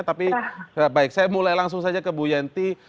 tapi baik saya mulai langsung saja ke bu yenty